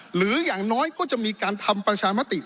หรืออย่างน้อยก็จะมีการทำประชามติ